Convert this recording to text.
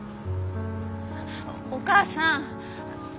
お母さん。